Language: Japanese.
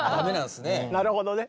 なるほどね。